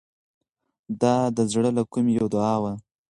دا د زړه له کومې یوه دعا وه.